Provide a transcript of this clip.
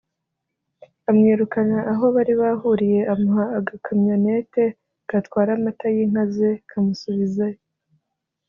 amwirukana aho bari bahuriye amuha aga kamyonette gatwara amata y’inka ze kamusubizayo